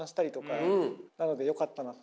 なのでよかったなって。